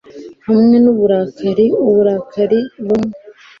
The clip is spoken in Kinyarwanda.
Hamwe n'uburakari uburakari bumwe